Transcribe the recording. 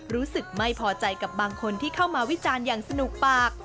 รู้สึกไม่พอใจกับบางคนที่เข้ามาวิจารณ์อย่างสนุกปาก